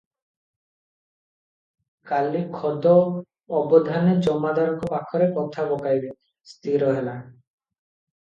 କାଲି ଖୋଦ ଅବଧାନେ ଜମାଦାରଙ୍କ ପଖରେ କଥା ପକାଇବେ, ସ୍ଥିର ହେଲା ।